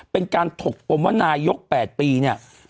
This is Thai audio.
เป็นการถกปมว่านายก๘ปีเนี่ย